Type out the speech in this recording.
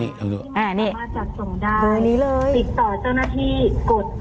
นี่อามาจักรศงดาติดต่อเจ้าหน้าที่กด๙